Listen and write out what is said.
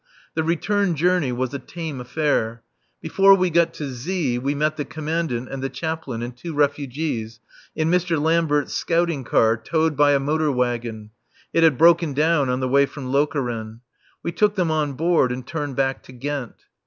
The return journey was a tame affair. Before we got to Z we met the Commandant and the Chaplain and two refugees, in Mr. Lambert's scouting car, towed by a motor wagon. It had broken down on the way from Lokeren. We took them on board and turned back to Ghent.